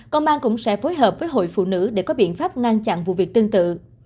công an cũng sẽ phối hợp với hội phụ nữ để có biện pháp ngăn chặn vụ việc tương tự